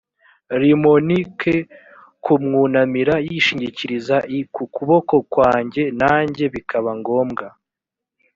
rimoni k kumwunamira yishingikiriza l ku kuboko kwanjye nanjye bikaba ngombwa